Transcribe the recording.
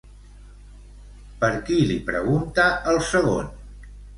Per qui li pregunta el segon?